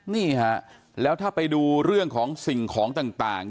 นี่ฮะแล้วถ้าไปดูเรื่องของสิ่งของต่าง